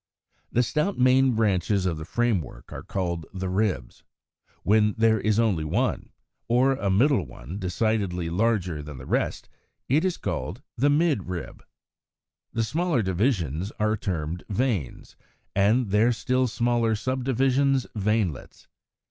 The stout main branches of the framework are called the Ribs. When there is only one, as in Fig. 112, 114, or a middle one decidedly larger than the rest, it is called the Midrib. The smaller divisions are termed Veins; and their still smaller subdivisions, Veinlets.